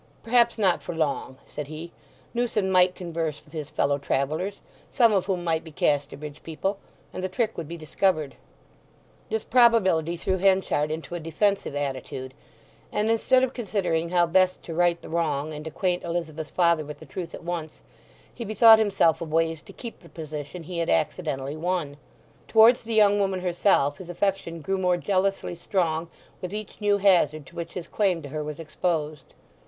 "Perhaps not for long," said he. Newson might converse with his fellow travellers, some of whom might be Casterbridge people; and the trick would be discovered. This probability threw Henchard into a defensive attitude, and instead of considering how best to right the wrong, and acquaint Elizabeth's father with the truth at once, he bethought himself of ways to keep the position he had accidentally won. Towards the young woman herself his affection grew more jealously strong with each new hazard to which his claim to her was exposed.